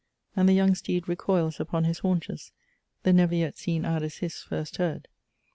And the young steed recoils upon his haunches, The never yet seen adder's hiss first heard.